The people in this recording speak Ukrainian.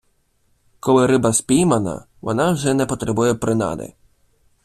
Коли риба спіймана, вона вже не потребує принади.